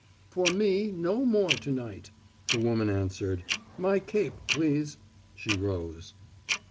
"For me no more to night," the woman answered. "My cape, please." She rose.